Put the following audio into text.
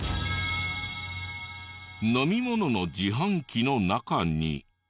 飲み物の自販機の中に。